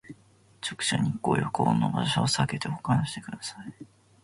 直射日光や高温の場所をさけて保管してください